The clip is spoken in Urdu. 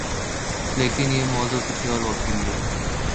لیکن یہ موضوع کسی اور وقت کے لئے۔